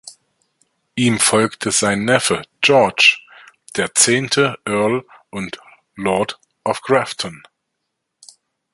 Ihm folgte sein Neffe George, der zehnte Earl und Lord of Grafton.